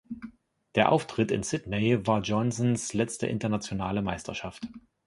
Der Auftritt in Sydney war Johnsons letzte internationale Meisterschaft.